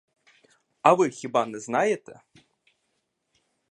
А ви хіба не знаєте?